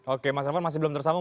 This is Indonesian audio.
oke mas elvan masih belum tersambung